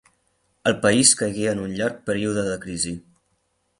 El país caigué en un llarg període de crisi.